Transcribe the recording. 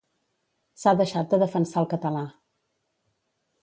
S'ha deixat de defensar el català.